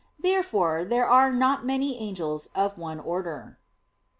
Therefore there are not many angels of one order.